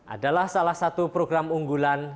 adalah salah satu program unggulan